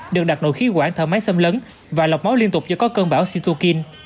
được đặt nội khí quản thở máy xâm lấn và lọc máu liên tục do có cơn bão situkin